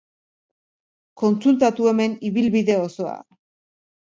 Kontsultatu hemen ibilbide osoa.